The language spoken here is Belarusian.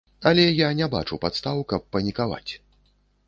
Але я не бачу падстаў, каб панікаваць.